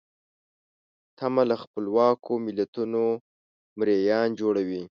تمه له خپلواکو ملتونو مریان جوړوي.